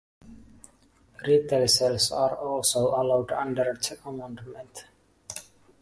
Retail sales are also allowed under the amendment.